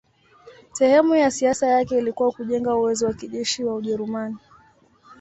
Sehemu ya siasa yake ilikuwa kujenga uwezo wa kijeshi wa Ujerumani.